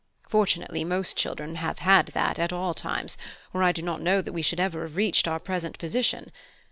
Fortunately most children have had that at all times, or I do not know that we should ever have reached our present position.